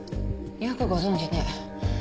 よくご存じね。